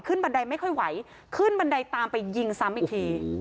บันไดไม่ค่อยไหวขึ้นบันไดตามไปยิงซ้ำอีกที